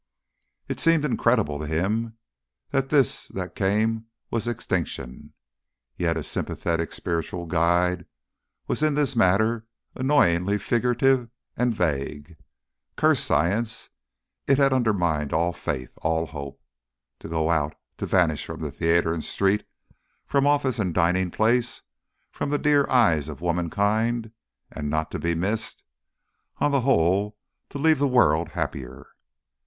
It seemed incredible to him that this that came was extinction. Yet his sympathetic spiritual guide was in this matter annoyingly figurative and vague. Curse science! It had undermined all faith all hope. To go out, to vanish from theatre and street, from office and dining place, from the dear eyes of womankind. And not to be missed! On the whole to leave the world happier!